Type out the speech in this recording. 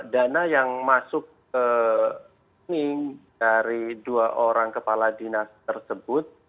dana yang masuk ke ning dari dua orang kepala dinas tersebut